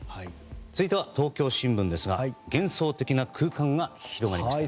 続いては、東京新聞ですが幻想的な空間が広がりました。